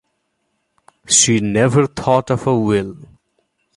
She never thought of a will.